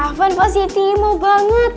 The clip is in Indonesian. afwan positi mau banget